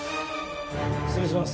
失礼します。